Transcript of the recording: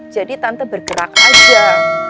jadi tante bergerak aja